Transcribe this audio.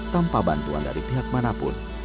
tanpa bantuan dari pihak manapun